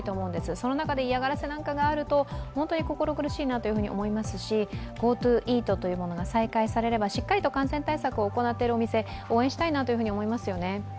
その中で嫌がらせなんかがあると本当に心苦しいなと思いますしＧｏＴｏイートというものが再開されれば、しっかりと感染対策を行っているお店、応援したいなと思いますよね。